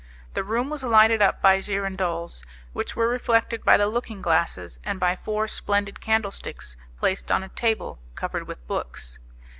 The room was lighted up by girandoles, which were reflected by the looking glasses, and by four splendid candlesticks placed on a table covered with books.